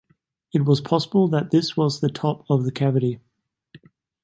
It was possible that this was the top of the cavity.